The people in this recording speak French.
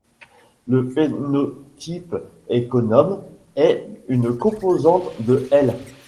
Le phénotype économe est une composante de l.